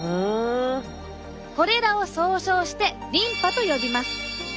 これらを総称してリンパと呼びます。